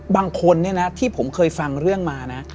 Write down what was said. บางคนเนี่ยนะที่ผมเคยฟังเรื่องมานะ